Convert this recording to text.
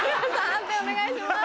判定お願いします。